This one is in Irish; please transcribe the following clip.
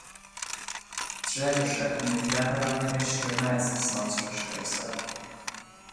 D'fhreagair sé go mbíodh leath an rang ar meisce ar maidin san áit a raibh sé ag dul ar scoil.